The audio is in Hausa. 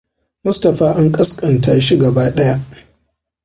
Mustapha an ƙasƙan tashi gaba ɗaya.